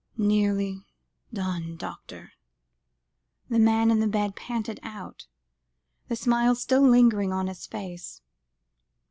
"Nearly done doctor," the man in the bed panted out, the smile still lingering on his face.